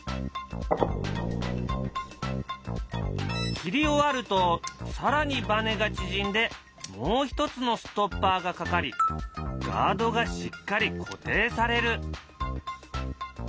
切り終わると更にバネが縮んでもう一つのストッパーがかかりガードがしっかり固定される。